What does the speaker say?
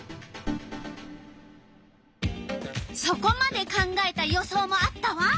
そこまで考えた予想もあったわ。